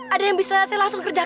ada yang bisa saya langsung kerjakan